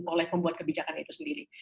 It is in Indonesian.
oleh pembuat kebijakan itu sendiri